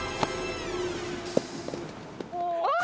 あっ！